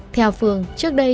theo phương trước đây